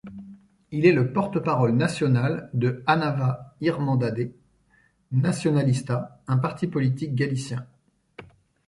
Il est le porte-parole national de Anova Irmandade Nacionalista, un parti politique galicien.